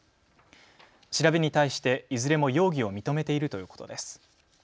調べに対して、いずれも容疑を認めているということです。